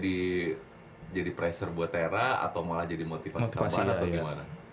pressure buat tera atau malah jadi motivasi tambahan atau gimana